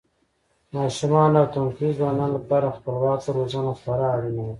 ماشومانو او تنکیو ځوانانو لپاره خپلواکه روزنه خورا اړینه ده.